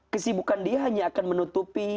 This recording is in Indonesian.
kesibukan dia hanya akan menutupi